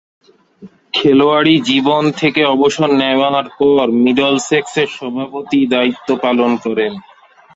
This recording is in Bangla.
খেলোয়াড়ী জীবন থেকে অবসর নেয়ার পর মিডলসেক্সের সভাপতির দায়িত্ব পালন করেন।